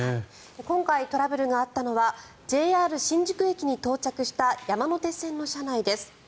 今回トラブルがあったのはＪＲ新宿駅に到着した山手線の車内です。